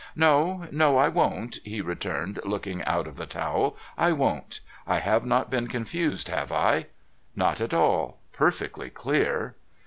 ' No, no. I won't,' he returned, looking out of the towel. ' I won't. I have not been confused, have I ?'' Not at all. Perfectly clear.'